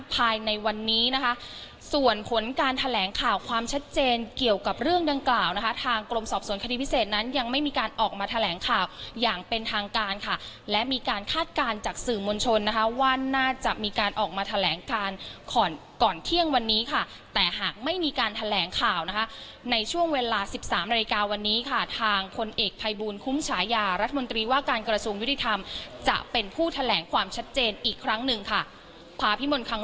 ภายในวันนี้นะคะส่วนผลการแถลงข่าวความชัดเจนเกี่ยวกับเรื่องดังกล่าวนะคะทางกลมสอบสวนคณิตพิเศษนั้นยังไม่มีการออกมาแถลงข่าวอย่างเป็นทางการค่ะและมีการคาดการณ์จากสื่อมลชนนะคะว่าน่าจะมีการออกมาแถลงการข่อนก่อนเที่ยงวันนี้ค่ะแต่หากไม่มีการแถลงข่าวนะคะในช่วงเวลาสิบสามนาฬิกาวันนี้ค่ะทาง